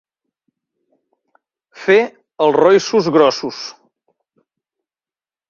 Fer els roïssos grossos.